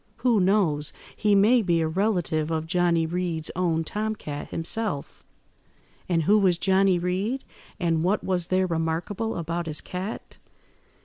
Who knows, he may be a relative of Johnny Reed's own tom–cat himself." "And who was Johnny Reed? and what was there remarkable about his cat?"